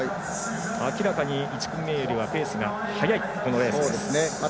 明らかに１組目よりもペースが速いこのレースです。